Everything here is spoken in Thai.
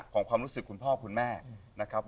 ความรู้สึกคุณพ่อคุณแม่นะครับ